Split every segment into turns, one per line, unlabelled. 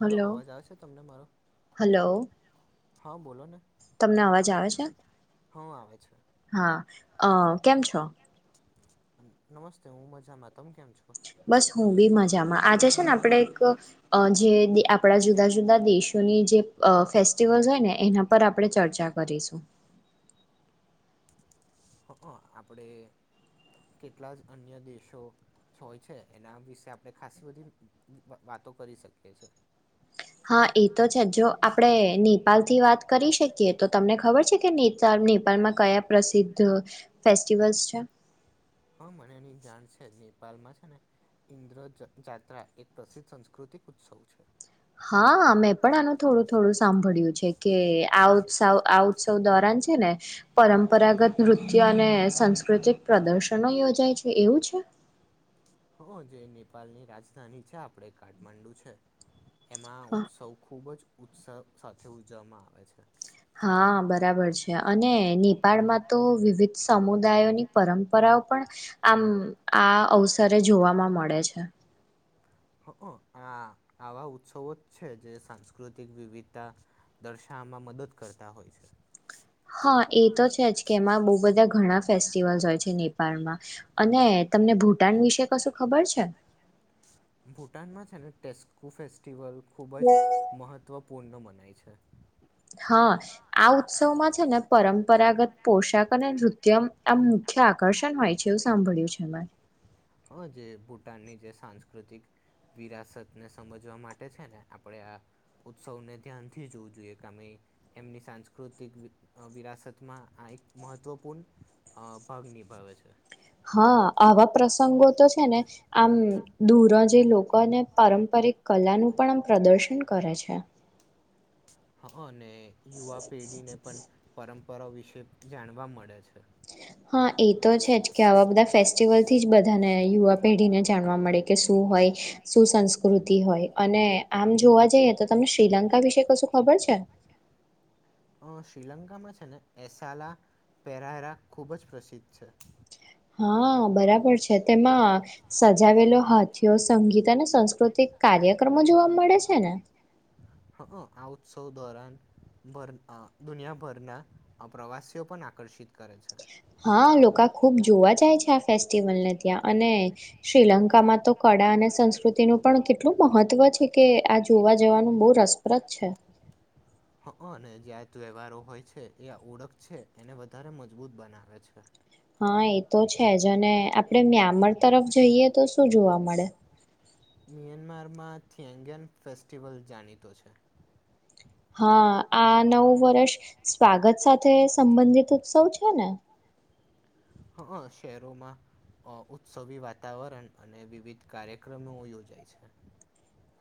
Hello
hello
અવાજ આવ છે તમને મારો.
હલો
હા.
તમને અવાજ આવે છે.
હું આવે છે.
હઅ કેમ છો?
નમસ્તે હું મજા મા. તમે કેમ છો?
બસ હું બી મજામાં. આજે છે ને આપણે એક જે આપણા જુદા-જુદા દેશોની જે અ ફેસ્ટિવલ હોય ને એના પર આપણે ચર્ચા કરીશું.
હંઅ આપડે કેટલા જ અન્ય દેશો હોય છે એના વિશે આપણે ખાસ બધી વા વાતો કરી શકીએ છે.
હા એ તો છે જ જો આપડે નેપાલ થી વાત કરી શકીએ તો તમને ખબર કે [unintelligible] નેપાળમાં કયા પ્રસિદ્ધ ફેસ્ટિવલ્સ છે.
હા મને એની જાણ છે જ નેપાલમાં છે ને ઇન્દ્ર જ જાત્રા એક પ્રસિદ્ધ સંસ્કૃતિક ઉત્સવ છે.
હા એ કે આ ઉત્સવ આ ઉત્સવ દોરાન છે ને પરંપરાગત નૃત્ય અને સાસ્કૃતિક પ્રદર્શનો યોજાય છે એવું છે?
હં જે નેપાલની રાજધાની છે આપડે કાઠમંડુ છે. એમાં
હા
ઉત્સવ ખૂબ જ ઉત્સવ સાથે ઉજવવામાં આવે છે.
હા બરાબર છે અને નેપાળમાં તો વિવિધ સમુદાયોની પરંપરાઓ પણ આમ આ અવસરે જોવામાં મળે છે
હંઅ આ આવા ઉત્સવો છે જે સાંસ્કૃતિક વિવિધતા દર્શાવામાં મદદ કરતા હોય છે
હા એ તો છે જ કે એમાં બો બધા ઘણા ફેસ્ટિવલસ હોય છે નેપાળમાં અને તમને ભૂટાન વિશે કશું ખબર છે?
ભૂટાનમાં છે ને ટેસ્કો ફેસ્ટિવલ ખૂબ જ મહત્ત્વપૂર્ન મને ય છે
હા. આ ઉત્સવ માં છે ને પરમ પરાગત પોષાક અને નૃત્ય આમ મુખ્ય આકર્ષણ હોય છે એવું સાંભળ્યું છે મેં.
હં જે ભૂટાનની જે સાંસ્કૃતિક વિરાસતને સમજવા માટે છે ને આપણેે આ ઉત્સવને ધ્યાનથી જોવું જોઈએ કામે એમની સાંસ્કૃતિક વિરાસતમાં આ એક મહત્વપૂર્ણ અ ભાગ નિભાવે છે
હા. આવા પ્રસંગો તો છે ને આમ દૂર જે લોકોને પારંપરિક કલાનું પણ આમ પ્રદર્શન કરે છે.
હા નને યુવા પેઢીને પણ પરં પવ વિશે જાણવા મળે છે.
હા એ તો છે જ કે આવા બધા ફે ફેસ્ટિવલ થી જ બધાને યુવા પેઢીને જાણવા મળે કે શું હોય સુું સંસ્કૃતિ હોય અને આમ જોવા જઈએ તો તમને શ્રીલંકા વિશે કશું ખબર છે.
અ શ્રીલંકામાં છે ને એસાલા પેરારા ખૂબ જ પ્રસિદ્ધ છે.
હા બરાબર છે તેમાં સજાવેલો હાથીયો સંગીત અને સાસ્કૃતિક કાર્યક્રમો જોવા મળે છે ને
આ ઉત્સવ દોરન દુનિયાભરના પ્રવાસીઓ પણ આકર્ષિત કરે છે.
હા લોકો ખુબ જોવા જાય છે આ ફેસ્ટિવલને ત્યાં અને શ્રીલંકામાં તો કળા અને સંસ્કૃતિનું પણ કેટલું મહત્વ છે કે આ જોવા જવાનું બહુ રસપ્રદ છે.
હ અનેને જ્યા ત્યવહરો હોય છે એ ઓળખ છે એને વધારે મજબૂત બનાવે છે.
આપણેે મ્યામર તરફ જઈએ તો શું જોવા મળે.
મ્યાનમારમાં થિયાંગન ફેસ્ટિવલ જાણીતો છે.
હા આ નવું વર્ષ સ્વાગત સાથે સંબંધિત ઉત્સવ છે ને
હા શહેરોમાં ઉત્સવી વાતાવરણ અને વિવિધ કાર્યક્રમો યોજાય છે.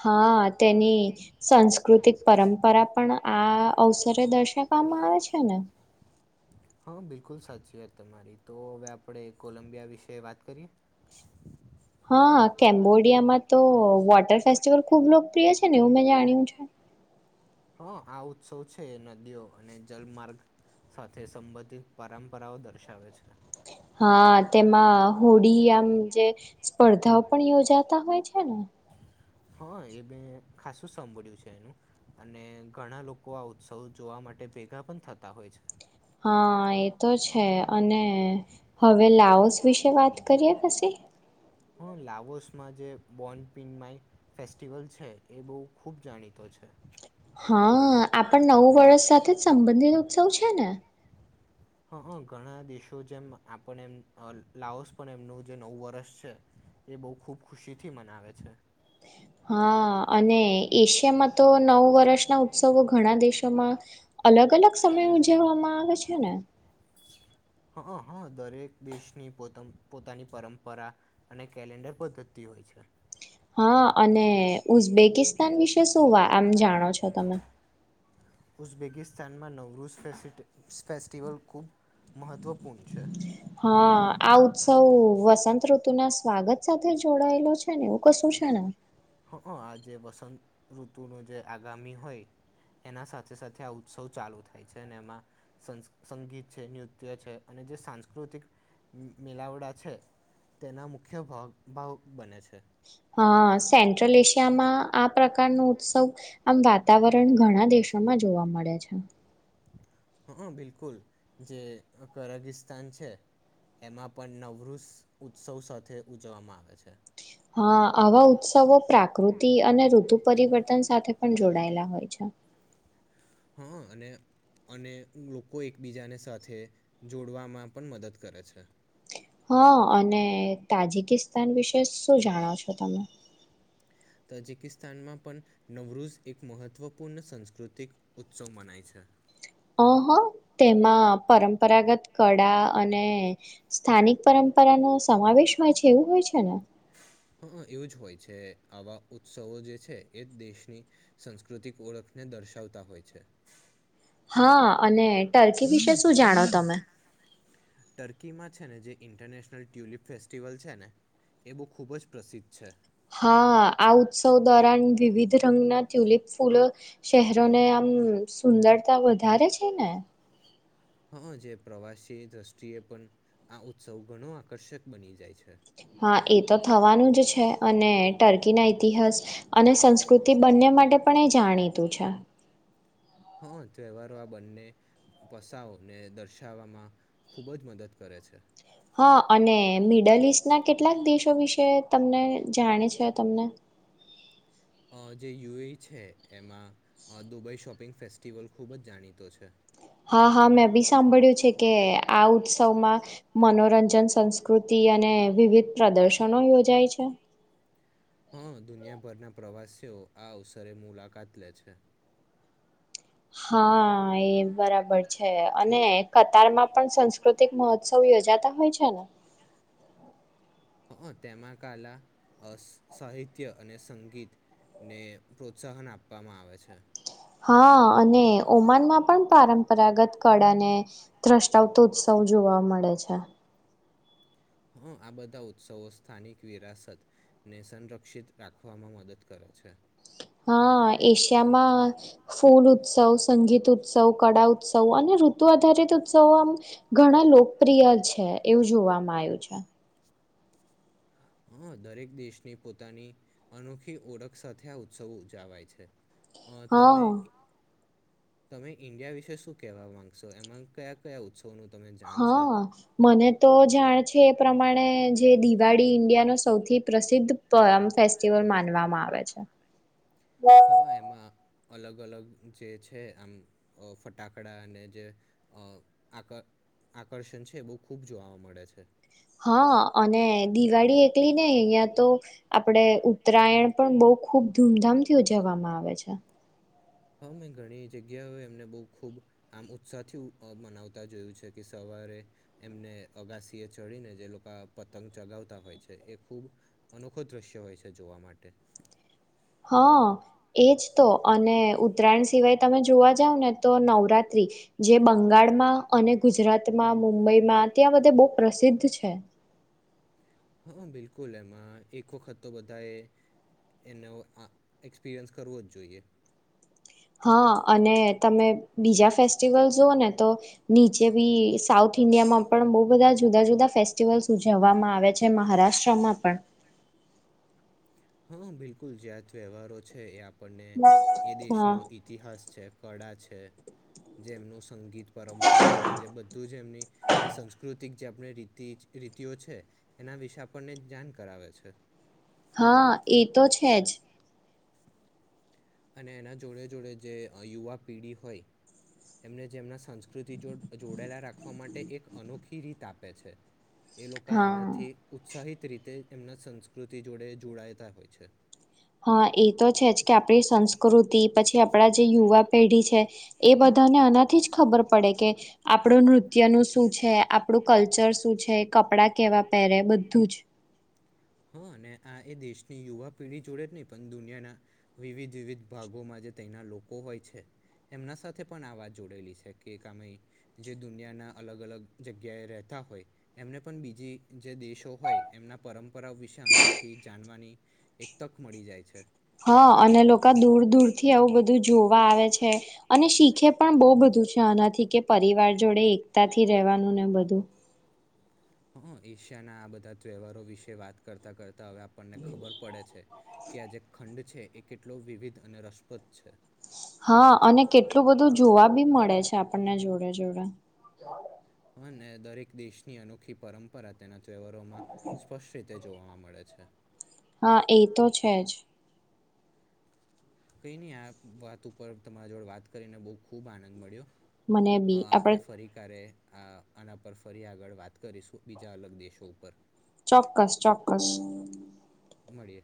હા. તેની સાંસ્કૃતિક પરંપરા પણ આ અવસરે દર્શાવવામાં આવે છે ને
હા બિલકુલ સાચી વાત તમારી તો હવે આપણે કોલંબિયા વિશે વાત કરીએ.
હા કેમ્બોડિયામાં તો વોટર ફેસ્ટિવલ ખુબ લોકપ્રિય છે ને એવું મેં જાણ્યું છે.
હા આ ઉત્સવ છે નદીઓ અને જલમાર્ગ સાથે સંબંધિત પરંપરાઓ દર્શાવે છે.
હા તેમાં હોળી આમ જે સ્પર્ધાઓ પણ યોજાતા હોય છે ને
હા, એ મેં ખાસું સાંભળ્યું છે, એનું અને ઘણા લોકો આ ઉત્સવ જોવા માટે ભેગા પણ થતા હોય છે
હા, એ તો છે અને હવે લાઓસ વિશે વાત કરીએ પછી
હા, લાવોસમાં જે બોનપિન માય ફેસ્ટિવલ છે એ બહુ ખુબ જાણીતો છે
હા, આપણ નવુવર્ષ સાથે જ સંબંધિત ઉત્સવ છે ને
હ, ઘણા દેશો જેમ આપણે એમ લાઓસ પણ એમનું જે નવું વર્ષ છે એ બહુ ખુબ ખુશી થી મનાવે છે
હા, અને એશિયામાં તો નવું વર્ષના ઉત્સવો ઘણા દેશોમાં અલગ અલગ સમય ઉજવવામાં આવે છે ને
હ, હ, દરેક દેશની પો પોતાની પરંપરા અને કેલેન્ડર પદ્ધતિ હોય છે
હા, અને ઉઝબેકિસ્તાન વિશે શું વા આમ જાણો છો તમે
ઉઝબેકિસ્તાનમાં નવરૂઝ ફેસ્ટિવલ ખૂબ મહત્વપૂર્ણ છે
હા, આ ઉત્સવ વસંત ઋતુ ના સ્વાગત સાથે જોડાયેલો છે ને એવું કશું છે ને
હ અ, આ જે વસંત ઋતુનો જે આગામી હોય એના સાથે સાથે આ ઉત્સવ ચાલુ થાય છે અને એમાં સંગીત છે, નૃત્ય છે, અને જે સાંસ્કૃતિક મેલાવડા છે, તેના મુખ્ય ભાવ બને છે
હા, સેન્ટ્રલ એશિયામાં આ પ્રકારનો ઉત્સવ આમ વાતાવરણ ઘણા દેશોમાં જોવા મળે છે
હ અ, બિલકુલ જે કરાગિસ્તાન છે એમાં પણ નવૃષ ઉત્સવ સાથે ઉજવામાં આવે છે
હા, આવા ઉત્સવો પ્રાકૃતિ અને ઋતુ પરિવર્તન સાથે પણ જોડાયેલા હોય છે
હા, અને અને લોકો એકબીજાને સાથે જોડવામાં પણ મદદ કરે છે
હા, અને તાજકિસ્તાન વિશે શું જાણો છો તમે
તજકિસ્તાનમાં પણ નવરોઝ એક મહત્વપૂર્ણ સાંસ્કૃતિક ઉત્સવ મનાય છે
અહ, તેમાં પરંપરાગત કળા અને સ્થાનિક પરંપરાનો સમાવેશ હોય છે, એવું હોય છે ને
હ અ, એવું જ હોય છે આવા ઉત્સવો જે છે એ દેશની સંસ્કૃતિક ઓળખને દર્શાવતા હોય છે
હા, અને ટર્કી વિશે શું જાણો તમે
ટર્કીમાં છે ને જે ઇન્ટરનેશનલ ટ્યુલિપ ફેસ્ટિવલ છે ને એ બહુ ખુબ જ પ્રસિદ્ધ છે
હા આ ઉત્સવ દોરાન વિવિધ રંગના ટ્યુલિપ ફૂલો શહેરોને આમ સુંદરતા વધારે છે ને
હા જે પ્રવાસી દ્રષ્ટિએ પણ આ ઉત્સવ ઘણો આકર્ષક બની જાય છે
હા એ તો થવાનું જ છે અને ટર્કી ના ઇતિહાસ અને સંસ્કૃતિ બંને માટે પણ એ જાણીતું છે
હા તહેવારો આ બંને પસઓને દર્શાવવામાં ખુબ જ મદદ કરે છે
હા અને મિડલ ઈસ્ટના કેટલાક દેશો વિશે તમને જાણે છે તમને
અ જે યુ એ ઈ છે એમાં દુબઈ શોપિંગ ફેસ્ટિવલ ખૂબ જ જાણીતો છે.
હા હા મેં બી સાંભળ્યું છે કે, આ ઉત્સવમાં મનોરંજન સંસ્કૃતિ અને વિવિધ પ્રદર્શનો યોજાય છે.
હા દુનિયાભરના પ્રવાસીઓ આ અવસરે મુલાકાત લે છે.
હા એ બરાબર છે અને કતારમાં પણ સંસ્કૃતિક મહોત્સવ યોજાતા હોય છે ને?
હ તેમાં કલા સાહિત્ય અને સંગીત ને પ્રોત્સાહન આપવામાં આવે છે.
હા અને ઓમાનમાં પણ પરંપરાગત કળા ને દ્રષ્ટાવતો ઉત્સવ જોવા મળે છે.
હા આ બધા ઉત્સવો સ્થાનિક વિરાસતને, સંરક્ષિત રાખવામાં મદદ કરે છે.
હા એશિયામાં ફૂલ ઉત્સવ સંગીત ઉત્સવ કળા ઉત્સવ અને ઋતુ આધારિત ઉત્સવો આમ, ઘણા લોકપ્રિય છે એવું જોવાવામાં આવ્યું છે.
હ દરેક દેશની પોતાની અનોખી ઓળખ સાથે આ ઉત્સવ ઉજાવાય છે. અ તમે?
હા
તમે ઈન્ડિયા વિશે શું કેવા માંગશો એમાં કયા કયા ઉત્સ
હા મને તો જાણે છે એ પ્રમાણે જે દિવાળી ઇન્ડિયા ન સૌથી પ્રસિદ્ધ ફેસ્ટિવલ માનવામાં આવે છે.
હ એમાં અલગ અલગ જે છે આમ ફટાકડા અને, જે આક આકર્ષણ છે એ બહુ ખૂબ જોવા મળે છે.
હા અને દિવાળી એકલી નને અહિયાં તો, આપડે ઉત્તરાયણ પણ બહ ખૂબ ધૂમધામથી ઉજવવામાં આવે છે.
હા મેં ઘણી જગ્યાઓ એમને બહ ખબ આમ ઉત્સાહ થી મનાવતા જોયું છે કે સવારે, એમને અગાસી એ ચડીને જે લોકો પતંગ ચગાવતા હોય છે એ ખૂબ, અનોખો દ્રશ્ય હોય છે જોવા માટે.
હા એજ તો. અને ઉત્તરાયણ સિવાય તમે જોવા જાવ ને તો નવરાત્રી, જે બંગાળમાં અને ગુજરાતમાં, મુંબઈમાં ત્યાં બધે બહુ પ્રસિદ્ધ છે.
હા, બિલકુલ. એમાં એક વખત તો બધાએ એનો આ એક્સપિરિયન્સ કરવો જ જોઈએ.
હા. અને તમે બીજા ફેસ્ટિવલસ જુઓ ને તો નીચે બી સાઉથ ઇન્ડિયામાં પણ બોવ બધા જુદા-જુદા ફેસ્ટિવલ્સ ઉજવવામાં આવે છે, મહારાષ્ટ્રમાં પણ.
હા બિલકુલ. જ્યાં તહેવારો છે યા પણને એ
હા
દેશનો ઇતિહાસ છે. કળા છે, જે એમનું સંગીત, પરંપરા અને જે બધું છે એમની જે સંસ્કૃતિક જે આપણી રીતિ રીતિઓ છે એના વિશે આપણને જાણ કરાવે છે.
હા, ઈ તો છે જ.
અને એના જોડે-જોડે જે યુવા પેઢી હોય, એમને જે એમના સંસ્કૃતિ જો જોડાયેલા રાખ ખવા માટે એક અનોખી ખી રીત આપે છે. એ લોકો
હા
આનાથી ઉત્સાહિત રીતે એમના સંસ્કૃતિ જોડે જોડાયતા હોય છે.
હા એ તો છે જ, કે આપણી સંસ્કૃતિ, પછી આપણા જે યુવા પેઢી છે એ બધાને આનાથી જ ખબર પડે કે આપણું નૃત્યનું શું છે, આપણું કલ્ચર શું છે, કપડા કેવા પહેરે બધું જ.
હા, ને આ એ દેશની યુવા પેઢી જોડે જ નહીં પન દુનિયાના વિવિધ-વિવિધ ભાગોમાં જે તેના લોકો હોય છે, એમના સાથે પણ આ વાત જોડેલી છે, કે કામય જે દુનિયાના અલગ-અલગ જગ્યાએ રહેતા હોય, એમને પણ બીજી જે દેશો હોય એમના પરં પરા વિશે [unintelligible] જાનવાની એક તક મળી જાય છે.
હા. અને લોકા દૂર-દૂરથી આવું બધું જોવા આવે છે, અને શીખે પણ બોવ બધું છે આનાથી કે પરિવાર જોડે એકતાથી રહેવાનું ને બધું.
હા એશિયાના આ બધા તહેવારો વિશે વાત કરતા કરત તા હવે આપણને ખબર પડે છે કે આ જે ખંડ છે એ કેટલો વિવિધ અને રસપ્રદ છે.
હા અને કેટલું બધું જોવા બી મળ છે આપણને જોડે જોડે.
અને દરેક દેશની અનોખી પરંપરા તેના તહેવારોમાં સ્પષ્ટ રીતે જોવામાં મળે છે
હા એ તો છે જ.
કઈ નઈ આ વાત ઉપર તમારા જોડે વાત કરીને બો ખુબ આનંદ મળ્યો.
મને બી
અ
આપણે
આપડે ફરી કારે આ આના પર ફરી આગળ વાત કરીશું બીજા અલગ દેશો ઉપર
ચોક્કસ ચોક્કસ.
મળીએ